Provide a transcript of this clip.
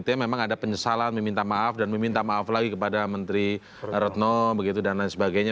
kami juga mendengarkan penyesalan dan meminta maaf kepada menteri retno dan lain sebagainya